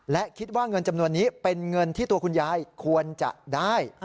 และคิดว่าเงินจำนวนนี้เป็นเงินที่ตัวคุณยายควรจะได้